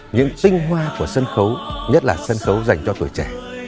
những tinh hoa của sân khấu nhất là sân khấu dành cho tuổi trẻ